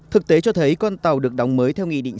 thực tế cho thấy con tàu được đóng mới theo nghị định